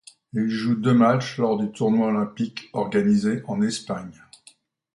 Il joue deux matchs lors du tournoi olympique organisé en Espagne.